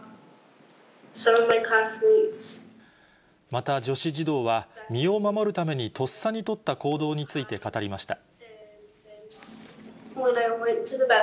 また、女子児童は、身を守るためにとっさに取った行動について語りました。